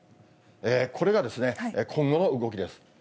これが今後の動きです。